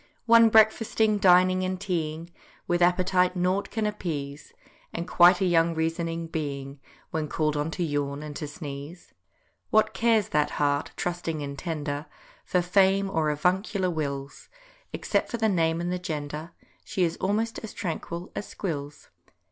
One breakfasting, dining, and teaing, With appetite nought can appease, And quite a young Reasoning Being When called on to yawn and to sneeze. What cares that heart, trusting and tender, For fame or avuncular wills; Except for the name and the gender, She is almost as tranquil as Squills.